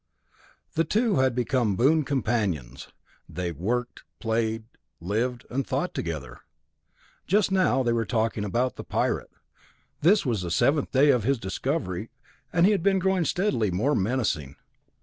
The two had become boon companions. They worked, played, lived, and thought together. Just now they were talking about the Pirate. This was the seventh day of his discovery, and he had been growing steadily more menacing.